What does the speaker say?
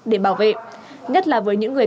để bảo vệ nhất là với những người